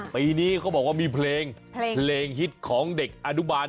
ปีนี้เขาบอกว่ามีเพลงเพลงฮิตของเด็กอนุบาล